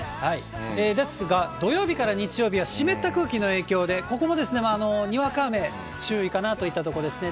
ですが、土曜日から日曜日は、湿った空気の影響で、ここもですね、にわか雨、注意かなといったところですね。